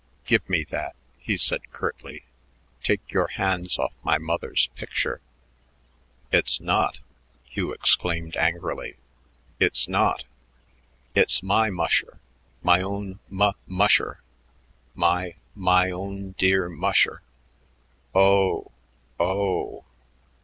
"Give me that," he said curtly. "Take your hands on my mother's picture." "It's not," Hugh exclaimed angrily; "it's not. It's my musher, my own mu musher my, my own dear musher. Oh, oh!"